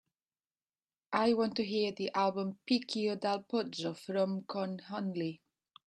I want to hear the album Picchio Dal Pozzo from Con Hunley